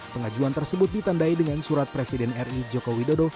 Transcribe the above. pengajuan tersebut ditandai dengan surat presiden ri joko widodo